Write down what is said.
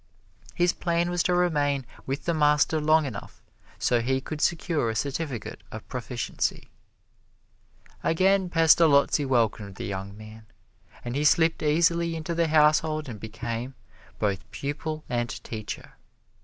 His plan was to remain with the master long enough so he could secure a certificate of proficiency. Again Pestalozzi welcomed the young man, and he slipped easily into the household and became both pupil and teacher.